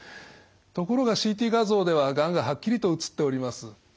ところがＣＴ画像ではがんがはっきりと写っております。